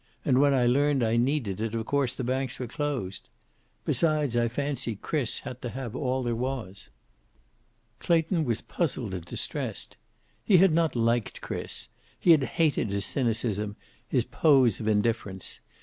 And when I learned I needed it of course the banks were closed. Besides, I fancy Chris had to have all there was." Clayton was puzzled and distressed. He had not liked Chris. He had hated his cynicism, his pose of indifference.